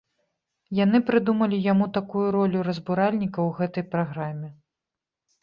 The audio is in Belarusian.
Яны прыдумалі яму такую ролю разбуральніка ў гэтай праграме.